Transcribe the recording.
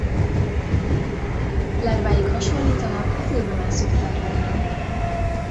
Lárváik hasonlítanak a fülbemászók lárváira.